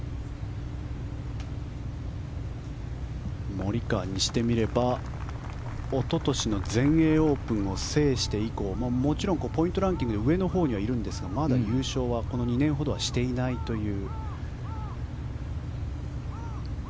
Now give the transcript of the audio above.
モリカワにしてみれば一昨年の全英オープンを制して以降もちろんポイントランキングで上のほうにはいますがまだ優勝はこの２年ほどはしていないという。